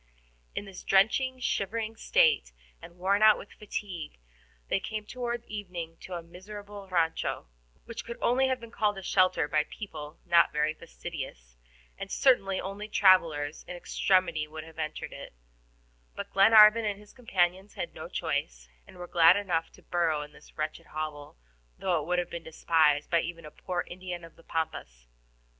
In this drenching, shivering state, and worn out with fatigue, they came toward evening to a miserable RANCHO, which could only have been called a shelter by people not very fastidious, and certainly only travelers in extremity would even have entered it; but Glenarvan and his companions had no choice, and were glad enough to burrow in this wretched hovel, though it would have been despised by even a poor Indian of the Pampas.